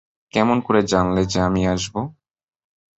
কেমন করে জানলে যে আমি আসব?